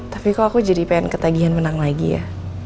tapi kok aku jadi pengen ketagihan menang lagi ya